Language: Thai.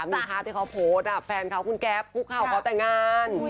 มีภาพที่เขาโพสต์แฟนเขาคุณแก๊ปคุกเข่าขอแต่งงาน